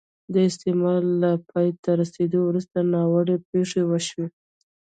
د استعمار له پای ته رسېدو وروسته ناوړه پېښې وشوې.